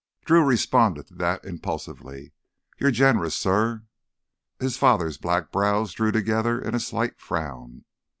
Drew responded to that impulsively. "You're generous, suh." His father's black brows drew together in a slight frown.